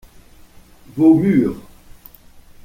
Vos murs.